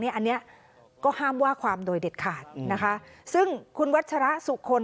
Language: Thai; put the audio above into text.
อันนี้ก็ห้ามว่าความโดยเด็ดขาดนะคะซึ่งคุณวัชระสุคล